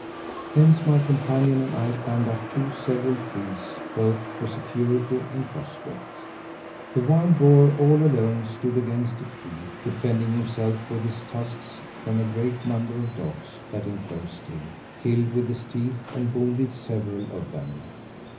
Hence my companion and I climbed up two several trees, both for security and prospect. The wild boar, all alone, stood against a tree, defending himself with his tusks from a great number of dogs that enclosed him; killed with his teeth, and wounded several of them.